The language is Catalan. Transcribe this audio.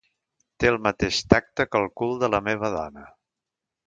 Té el mateix tacte que el cul de la meva dona.